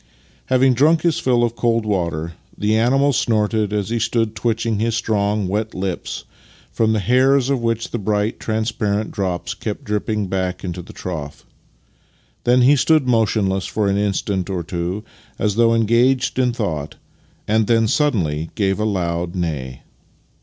Having drunk his fill of cold water, the animal snorted as he stood twitching his strong, wet lips, from the hairs of which the bright, transparent drops kept dripping back into the trough. Then he stood motionless for an instant or two, as though engaged in thought, and then suddenly gave a loud neigh.